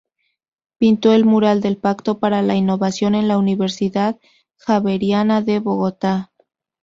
Pintó el mural del Pacto para la innovación en la Universidad Javeriana de Bogotá.